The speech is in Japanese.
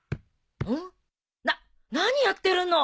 な何やってるの！？